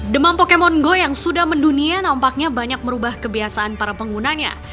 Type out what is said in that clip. demam pokemon go yang sudah mendunia nampaknya banyak merubah kebiasaan para penggunanya